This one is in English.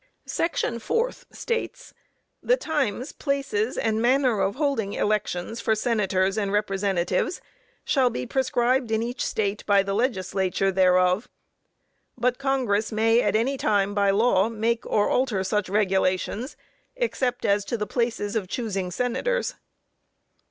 Section 4th says: "The times, places and manner of holding elections for Senators and Representatives shall be prescribed in each State by the Legislature thereof; but Congress may at any time, by law, make or alter such regulations, except as to the places of choosing Senators."